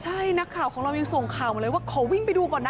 ใช่นักข่าวของเรายังส่งข่าวมาเลยว่าขอวิ่งไปดูก่อนนะ